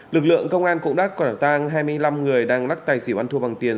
lực lượng công an cũng đã quả tang hai mươi năm người đang lắc tài xỉu ăn thua bằng tiền